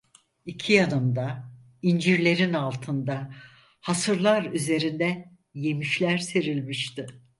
İki yanımda, incirlerin altında, hasırlar üzerine yemişler serilmişti.